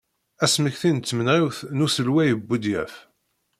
Asmekti n tmenɣiwt n uselway Buḍyaf.